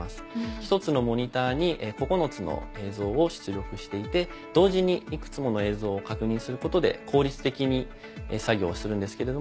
１つのモニターに９つの映像を出力していて同時にいくつもの映像を確認することで効率的に作業をするんですけれども。